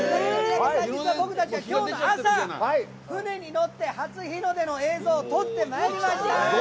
僕たちは今日の朝船に乗って初日の出の映像撮ってまいりました。